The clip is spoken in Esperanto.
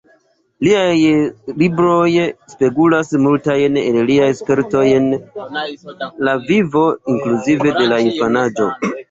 Liaj libroj spegulas multajn el liaj spertoj en la vivo, inkluzive de la infanaĝo.